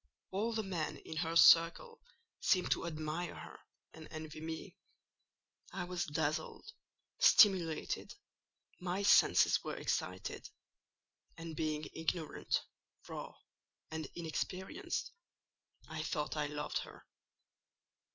All the men in her circle seemed to admire her and envy me. I was dazzled, stimulated: my senses were excited; and being ignorant, raw, and inexperienced, I thought I loved her.